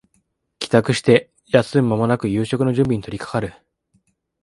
帰宅して休む間もなく夕食の準備に取りかかる